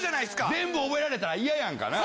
全部覚えられたら嫌やんかなあ。